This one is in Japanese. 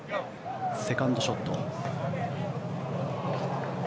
セカンドショット。